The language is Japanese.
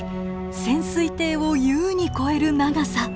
潜水艇を優に超える長さ。